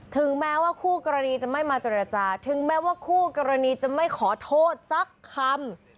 ถึงแม้ว่าคู่กรณีจะไม่มาเจรจาถึงแม้ว่าคู่กรณีจะไม่ขอโทษสักคำ